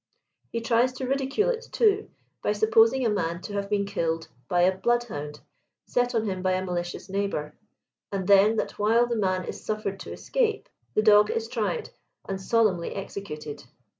He tries to ridi cule it, too, by supposing a man to have been killed by a blood hound, set on him by a malicious neighbor; and then that while the man is suffered to escape, the dog is tried and solemnly executed.